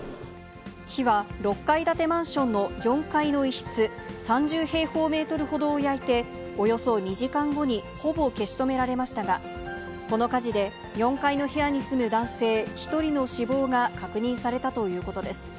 火は６階建てマンションの４階の一室、３０平方メートルほどを焼いて、およそ２時間後にほぼ消し止められましたが、この火事で４階の部屋に住む男性１人の死亡が確認されたということです。